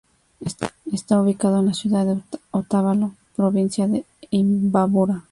Está ubicado en la ciudad de Otavalo, provincia de Imbabura.